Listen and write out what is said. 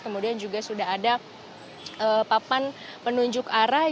kemudian juga sudah ada papan penunjuk arah